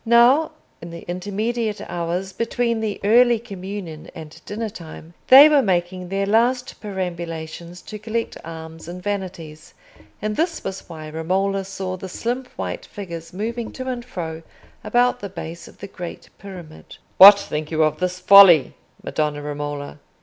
Now, in the intermediate hours between the early communion and dinner time, they were making their last perambulations to collect alms and vanities, and this was why Romola saw the slim white figures moving to and fro about the base of the great pyramid. "What think you of this folly, Madonna Romola?"